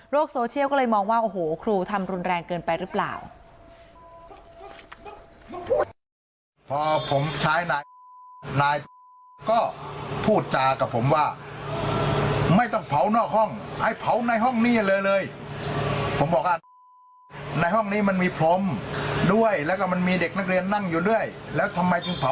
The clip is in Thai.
โซเชียลก็เลยมองว่าโอ้โหครูทำรุนแรงเกินไปหรือเปล่า